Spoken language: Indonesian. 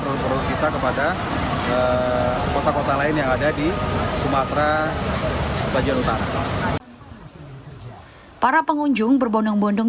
produk produk kita kepada kota kota lain yang ada di sumatera bagian utara para pengunjung berbondong bondong